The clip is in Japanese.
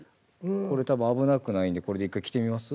これ多分危なくないんでこれで１回着てみます？